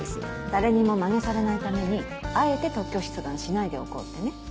誰にもマネされないためにあえて特許出願しないでおこうってね。